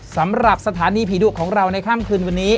สำหรับสถานีผีดุของเราในค่ำคืนวันนี้